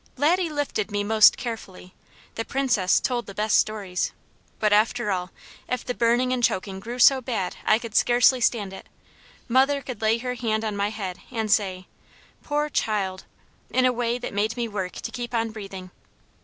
Laddie lifted me most carefully, the Princess told the best stories, but after all, if the burning and choking grew so bad I could scarcely stand it, mother could lay her hand on my head and say, "Poor child," in a way that made me work to keep on breathing.